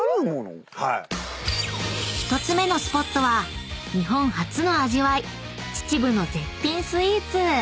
［１つ目のスポットは日本初の味わい秩父の絶品スイーツ］